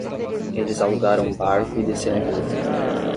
Eles alugaram um barco e desceram o rio.